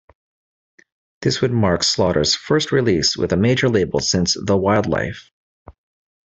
This would mark Slaughter's first release with a major label since "The Wild Life".